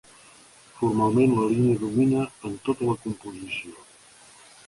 Formalment, la línia domina en tota la composició.